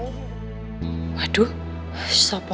nunggu dulu ya